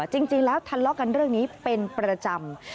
จริงแล้วทะเลาะกันเรื่องนี้เป็นประจำ